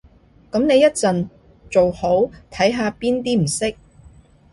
噉你一陣做好，睇下邊啲唔識